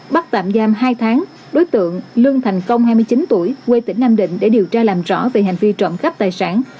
bắt tạm giam hai tháng đối tượng lương thành công hai mươi chín tuổi quê tỉnh nam định để điều tra làm rõ về hành vi trộm cắp tài sản